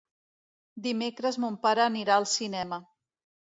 Dimecres mon pare anirà al cinema.